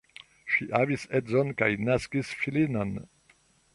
Ŝi havis edzon kaj naskis filinon.